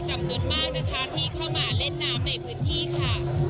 จำนวนมากนะคะที่เข้ามาเล่นน้ำในพื้นที่ค่ะ